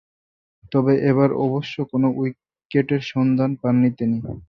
তবে, এবার অবশ্য কোন উইকেটের সন্ধান পাননি তিনি।